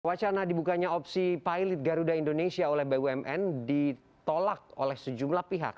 wacana dibukanya opsi pilot garuda indonesia oleh bumn ditolak oleh sejumlah pihak